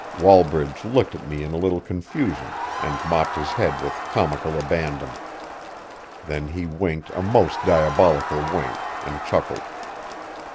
Wallbridge looked at me in a little confusion, and mopped his head with comical abandon. Then he winked a most diabolical wink, and chuckled.